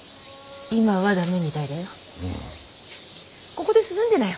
ここで涼んでなよ。